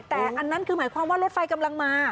แต่อันนั้นคือหมายความว่ารถไฟกำลังมา